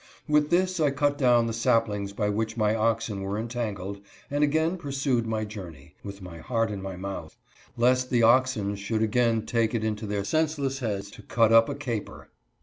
With this I cut down the saplings by which my oxen were entangled, and again pursued my journey, with my heart in my mouth, lest the oxen should again take it into their senseless heads to cut up a caper.